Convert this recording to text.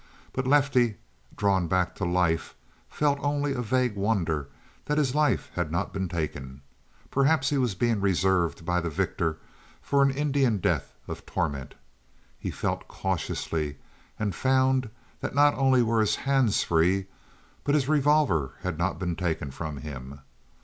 But Lefty, drawn back to life, felt only a vague wonder that his life had not been taken. Perhaps he was being reserved by the victor for an Indian death of torment. He felt cautiously and found that not only were his hands free, but his revolver had not been taken from him.